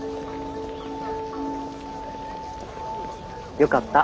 よかった。